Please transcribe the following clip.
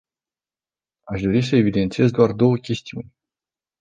Aș dori să evidențiez doar două chestiuni.